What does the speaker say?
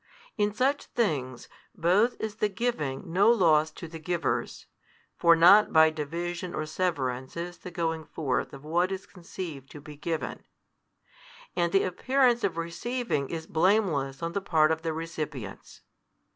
In such things, both is the giving no loss to the givers (for not by division or severance is the going forth of what is conceived to be given) and the appearance of receiving is blameless on the part of the recipients.